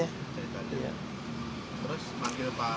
terus manggil pak